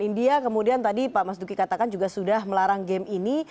india kemudian tadi pak mas duki katakan juga sudah melarang game ini